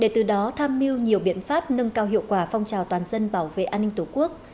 để từ đó tham mưu nhiều biện pháp nâng cao hiệu quả phong trào toàn dân bảo vệ an ninh tổ quốc